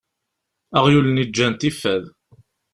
Aɣyul-nni ǧǧan-t ifad.